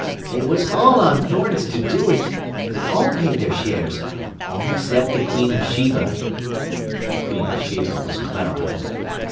"They was all on thorns to do it; they all paid their shares, all except the Queen of Sheba." The Queen of Sheba was Clara.